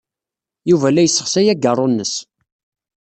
Yuba la yessexsay ageṛṛu-nnes.